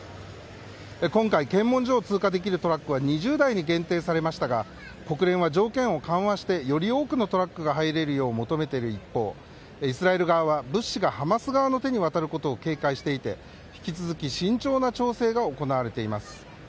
今回検問所を通過できるトラックは２０台に限定されましたが国連は、条件を緩和してより多くのトラックが入れるよう求めている一方イスラエル側は物資がハマス側の手に渡ることを警戒していて引き続き慎重な調整が行われています。